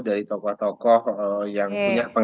dari tokoh tokoh yang punya